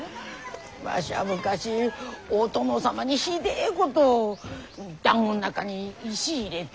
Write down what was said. わしゃ昔お殿様にひでえことをだんごの中に石入れて。